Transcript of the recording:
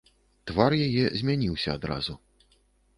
Твар яе змяніўся адразу.